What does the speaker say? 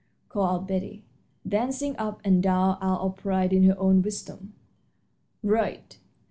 called out Betty, dancing up and down, out of pride in her own wisdom. "Right!